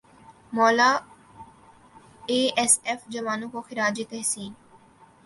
مولا A S F جوانوں کو خراج تحسین